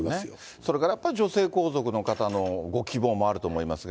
それからやっぱり、女性皇族の方のご希望もあると思いますが。